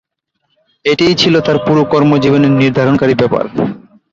এটিই ছিল তার পুরো কর্মজীবনের নির্ধারণকারী ব্যাপার।